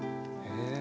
へえ。